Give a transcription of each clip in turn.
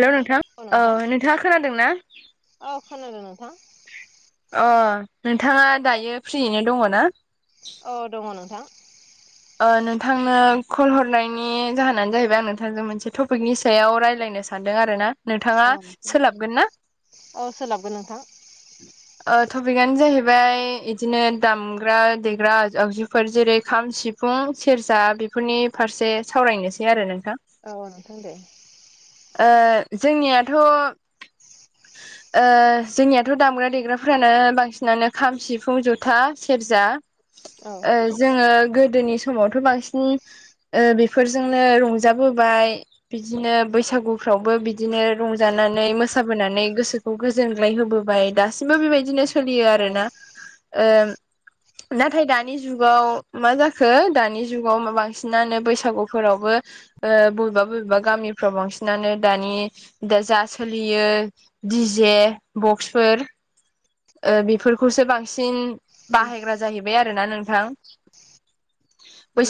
हेल' नोंथां औ नोंथांङा खोनादों ना? औ खोनादों नोंथां अ नोंथांङा दायो फ्रियैनो दंङ ना? औ दंङ नोंथां। नोंथांनो कल हरनायनि जाहोनानो जाहैबाय आं नोंथांजों मोनसे टपिकनि सायाव रायज्लायनो सानो? सानदों आरो ना नोंथांङा औ नोंथां सोलाबगोन ना? औ सोलाबगोन नोंथां। टपिकआनो जाहैबाय बिदिनो दामग्रा देग्रा आगजुफोर जेरै खाम, सिफ सिफुं सेरजा बेफोरनि फारसे सावरायनोसै आरो नोंथां। औ नोंथां दे। ओ जोंनियाथ' ओ जोंनिया याथ' दामग्रा देग्राफ्रानो बांसिनानो खाम सिफुं जथा सेरजा औ। ओ जोङो गोदोनि समावथ' बांसिन बेफोरजोंनो रंजाबोबाय। बिदिनो बैसागुफ्रावबो बिदिनो रंजानानै मोसाबोनानै गोसोखौ गोजोनग्लाय होबो ओमफ्राय दासिमबो बेबायदिनो सोलियो औ आरोना ओ नाथाय दानि जुगाव मा जाखो दानि जुगाव बांसिनानो बैसागुफोरावबो ओ बबेबा बबेबा गामिफ्राव बांसिनानो दानि दा जा सोलियो डि जे बक्स फोर ओ बेफोरखौसो बांसिन उम बाहायग्रा जाहैबाय आरोना नोंथां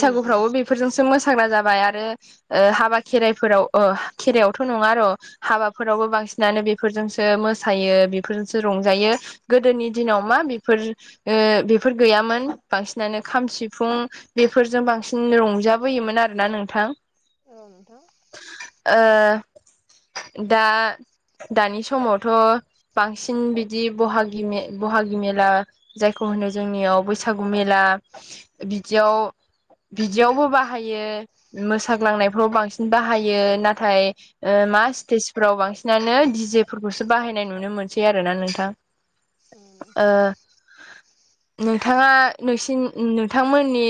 उम बेब फोरजोंसो मोसाग्रा जाबाय आरो ओ हाबा खेराइफोराव ओ खेराइयावथ' नङा र'। हाबाफोरावबो बांसिनानो बेफोरजोंसो मोसायो बेफोरजोंसो उम रंजायो। गोदोनि दिनाव मा बेफोर ओ बेफोर गैयामोन बांसिनानो खाम सिफुं बेफोरजों बांसिन रंजाबोयोमोन आरोना नोंथां। औ नोंथां। ओ दा दानि समावथ' बांसिन बिदि बहागि मे बहागि मेला जायखौ होनो जोंनियाव बैसागु मेला बिदियाव बिदियावबो बाहायो मोसाग्लांनायफ्राव बांसिन उम बाहायो नाथाय ओ मा स्टेजफोराव बांसिनानो डि जे फोरखौसो बाहायनाय नुनो मोनसै आरोना नोंथां। उम ओ नोंथां नोंथाङा नोंसिन नोंथांमोननि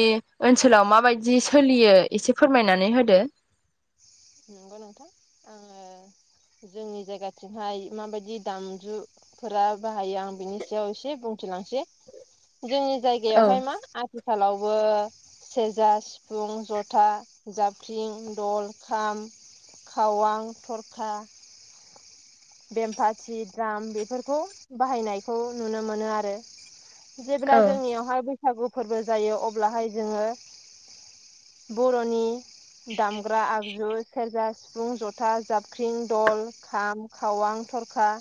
ओनसोलाव माबायदि सोलियो? एसे फोरमायनानै होदो। नंगौ नोंथां आङो जोंनि जायगाथिंहाय माबायदि दामजु फोरा बाहायो आं बिनि सायाव एसे बुंथिलांसै जोंनि औ जायगायावहाय मा आथिखालावबो सेरजा सिफुं जथा जाबख्रिं दल खाम खावां थरखा बेमफाथि द्राम बेफोरखौ बाहायनायखौ नुनो मोनो आरो। जेब्ला औ जोंनियावहाय बैस बैसागु फोरबो जायो अब्लाहाय जोङो बर'नि दामग्रा आगजु सेरजा सिफुं जथा जाबख्रिं दल खाम खावां थरखा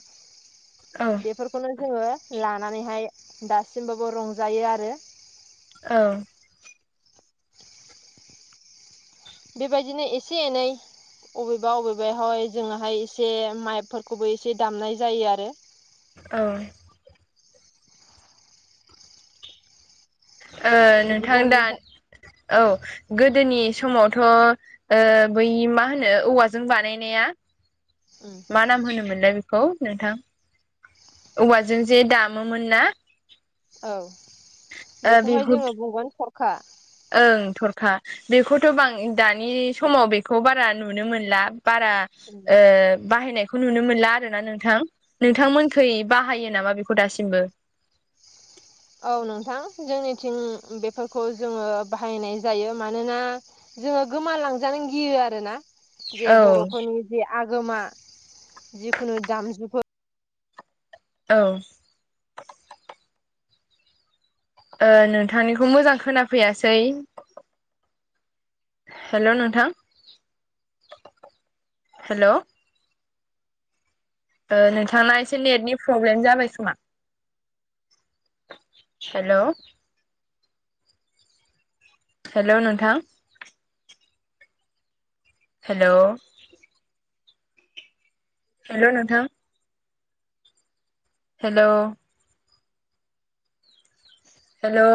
औ बेफोरखौनो जोङो लानानैहाय दासिमबाबो रंजायो आरो। औ। बेबायदिनो एसे एनै अबेबा अबेबाहाय जोङोहाय एसे माइकफोरखौबो एसे दामनाय जायो आरो। औ। ओ नोंथां दा औ गोदोनि समावथ' ओ बै मा होनो औवाजों बानायनाया उम। मा नाम होनोमोनलाय बेखौ नोंथां? औवाजों जे दामोमोन ना। औ ओ बेखौहाय बेखौ जोङो बुंगोन थरखा। ओं थरखा। बेखौथ' बां दानि समाव बेखौ बारा नुनो मोनला बारा ओ बाहायनायखौ नुनो मोनला आरो ना नोंथां नोंथांमोनखै बाहायो नामा बेखौ दासिमबो? औ नोंथां जोंनिथिं बेफोरखौ जोङो बाहायनाय जायो मानोना जोङो गोमालांजानो गियो आरो ना। जे औ बर'फोरनि जे आगोमा जिखुनु दामजुफोर औ। ओ नोंथांनिखौ मोजां खोनाफैयासै। हेल' नोंथां हेल' ओ नोंथांना एसे नेटनि प्रब्लेम जाबाय खोमा। हेलौ। हेलौ नोंथां। हेलौ। हेलौ नोंथां। हेलौ। हेलौ।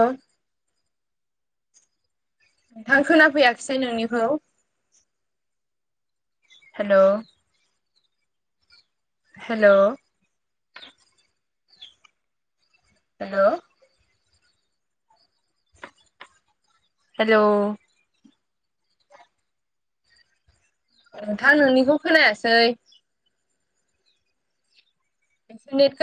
आं खोनाफैयाखिसै नोंनिखौ। हेलौ। हेलौ। हेलौ। हेलौ। नोंथां नोंनिखौ खोनायासै। [unintelligible]